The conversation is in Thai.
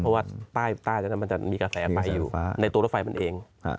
เพราะว่าใต้นั้นมันจะมีกระแสไฟอยู่ในตัวรถไฟมันเอง